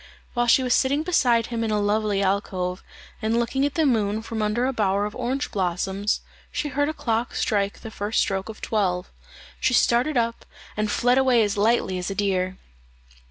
While she was sitting beside him in a lovely alcove, and looking at the moon from under a bower of orange blossoms, she heard a clock strike the first stroke of twelve. She started up, and fled away as lightly as a deer.